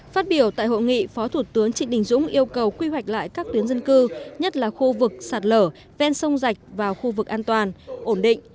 phát biểu tại hội nghị phó thủ tướng trịnh đình dũng yêu cầu quy hoạch lại các tuyến dân cư nhất là khu vực sạt lở ven sông rạch vào khu vực an toàn ổn định